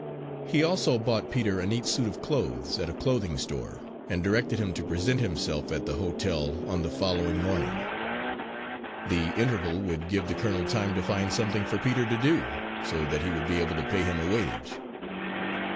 He also bought Peter a neat suit of clothes at a clothing store, and directed him to present himself at the hotel on the following morning. The interval would give the colonel time to find something for Peter to do, so that he would be able to pay him a wage.